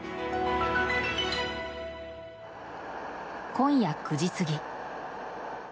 今夜９時過ぎ。